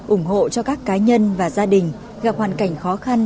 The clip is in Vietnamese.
ủng hộ cho các cá nhân và gia đình gặp hoàn cảnh khó khăn